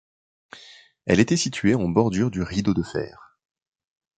Elle était située en bordure du Rideau de fer.